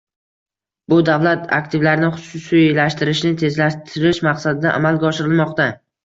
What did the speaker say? Bu davlat aktivlarini xususiylashtirishni tezlashtirish maqsadida amalga oshirilmoqda